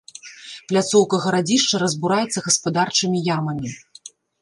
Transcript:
Пляцоўка гарадзішча разбураецца гаспадарчымі ямамі.